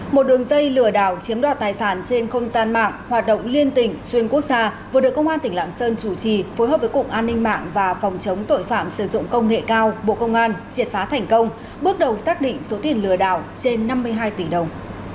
một đường dây lừa đảo chiếm đoạt tài sản trên không gian mạng hoạt động liên tỉnh xuyên quốc gia vừa được công an tỉnh lạng sơn chủ trì phối hợp với cục an ninh mạng và phòng chống tội phạm sử dụng công nghệ cao bộ công an triệt phá thành công bước đầu xác định số tiền lừa đảo trên năm mươi hai tỷ đồng